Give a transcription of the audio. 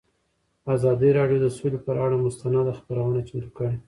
ازادي راډیو د سوله پر اړه مستند خپرونه چمتو کړې.